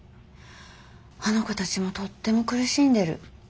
あの子たちもとっても苦しんでる。